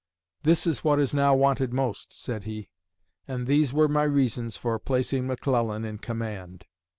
"This is what is now wanted most," said he, "and these were my reasons for placing McClellan in command."